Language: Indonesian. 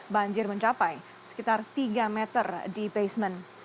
banjir mencapai sekitar tiga meter di basement